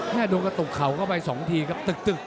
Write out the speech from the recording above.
โดนกระตุกเข่าเข้าไป๒ทีครับตึก